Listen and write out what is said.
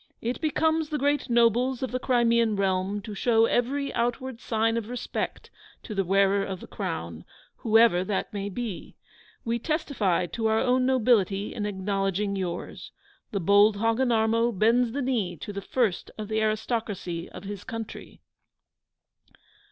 it becomes the great nobles of the Crimean realm to show every outward sign of respect to the wearer of the Crown, whoever that may be. We testify to our own nobility in acknowledging yours. The bold Hogginarmo bends the knee to the first of the aristocracy of his country.